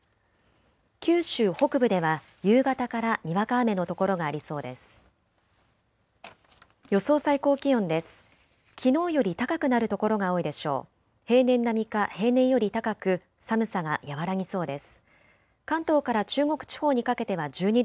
九州北部では夕方からにわか雨の所がありそうです。